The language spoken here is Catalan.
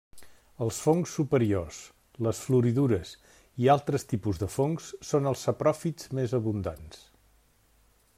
Els fongs superiors, les floridures i altres tipus de fongs, són els sapròfits més abundants.